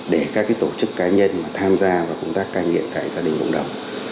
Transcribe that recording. để các tổ chức cá nhân mà tham gia vào công tác cai nghiện tại gia đình cộng đồng